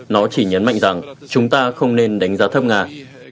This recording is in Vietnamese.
nó chỉ nhấn mạnh rằng chúng ta không nên đánh giá thấp ngài